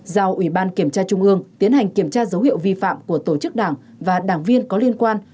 giao ủy ban kiểm tra trung ương tiến hành kiểm tra dấu hiệu vi phạm của tổ chức đảng và đảng viên có liên quan